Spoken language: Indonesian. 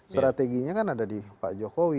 strateginya kan ada di pak jokowi